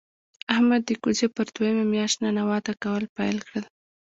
احمد د کوزې پر دویمه مياشت ننواته کول پیل کړل.